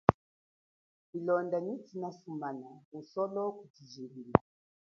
Tshilonda nyi tshina sumana usolo kutshijilila.